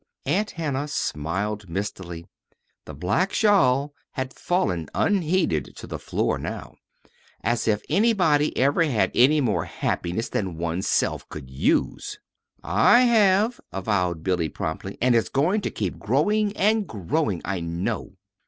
Aunt Hannah smiled mistily. The black shawl had fallen unheeded to the floor now. "As if anybody ever had any more happiness than one's self could use!" "I have," avowed Billy, promptly, "and it's going to keep growing and growing, I know."